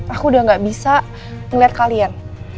aku udah gak bisa ngeliat kalian